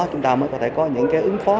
chúng ta mới có thể có những cái ứng phó